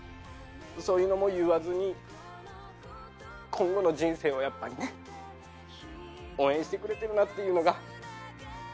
そういうのも言わずに今後の人生をやっぱりね応援してくれてるなっていうのが。